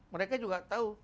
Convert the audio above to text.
mereka juga tahu